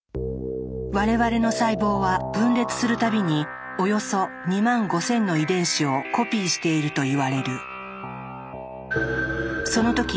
我々の細胞は分裂する度におよそ２５，０００の遺伝子をコピーしているといわれる。